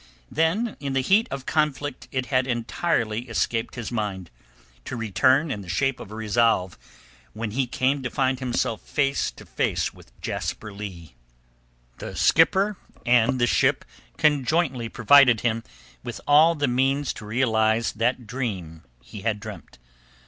Then in the heat of conflict it had entirely escaped his mind, to return in the shape of a resolve when he came to find himself face to face with Jasper Leigh. The skipper and the ship conjointly provided him with all the means to realize that dream he had dreamt.